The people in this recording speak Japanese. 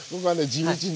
地道に。